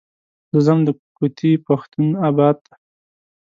زه ځم د کوتي پښتون اباد ته.